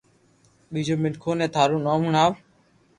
ٻيجو مينکو ني ٿارو نوم ھڻاو